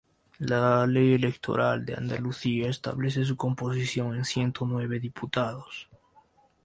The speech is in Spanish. La Ley Electoral de Andalucía establece su composición en ciento nueve diputados.